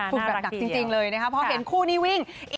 ฝึกแบบหนักจริงเลยนะครับเพราะเห็นคู่นี้วิ่ง